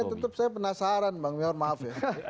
ini tetep saya penasaran bang mihor maaf ya